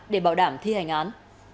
để bảo đảm thi hành án